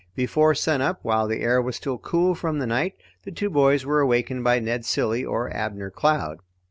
Before sunup, while the air was still cool from the night, the two boys were awakened by Ned Cilley or Abner Cloud.